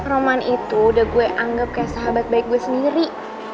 roman itu udah gue anggap kayak sahabat baik gue sendiri